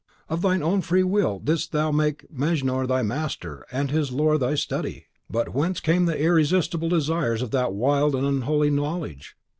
Of thine own free will didst thou make Mejnour thy master, and his lore thy study!" "But whence came the irresistible desires of that wild and unholy knowledge?